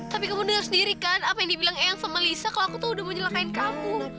tapi kamu dengar sendiri kan apa yang dibilang eyang sama lisa kalau aku tuh udah mau nyelakain kamu